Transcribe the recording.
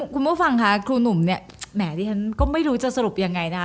คุณมถ้าฟังคะครูหนุ่มแหมที่ฉันก็ไม่รู้จะสรุปยังไงนะ